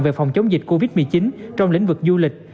về phòng chống dịch covid một mươi chín trong lĩnh vực du lịch